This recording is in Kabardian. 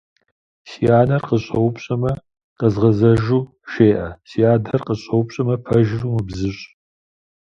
Си анэр къысщӏэупщӏэмэ, къэзгъэзэжу жеӏэ, си адэр къысщӏэупщӏэмэ, пэжыр умыбзыщӏ.